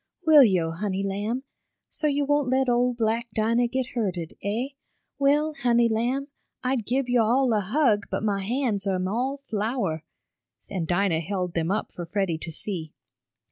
"Will yo', honey lamb? So yo' won't let ole black Dinah get hurted, eh? Well, honey, lamb, I'd gib yo' all a hug but mah hands am all flour," and Dinah held them up for Freddie to see.